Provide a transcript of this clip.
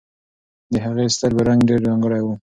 د هغې د سترګو رنګ ډېر ځانګړی و.